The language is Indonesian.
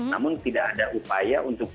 namun tidak ada upaya untuk